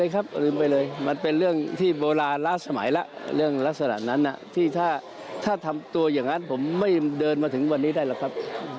คุณสมศักดิ์บอกว่าอ๋อแค่เที่ยวพลักษณ์ผ่อนครับ